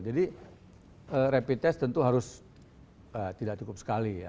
jadi rapid test tentu harus tidak cukup sekali ya